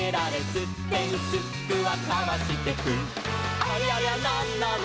「すってんすっくはかわしてく」「ありゃりゃなんなの？